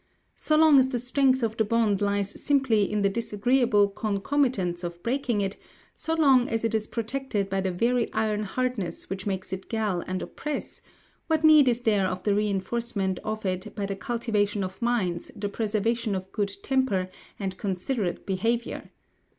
So long as the strength of the bond lies simply in the disagreeable concomitants of breaking it, so long as it is protected by the very iron hardness which makes it gall and oppress, what need is there of the reinforcement of it by the cultivation of minds, the preservation of good temper, and considerate behaviour?